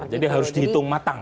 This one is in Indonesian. jadi harus dihitung matang